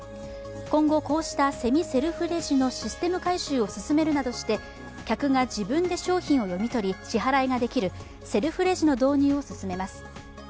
今後、こうしたセミセルフレジのシステム改修を進めるなどして客が自分で商品を読み取り支払いができるセルフレジの導入を進めます。